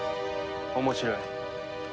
面白い。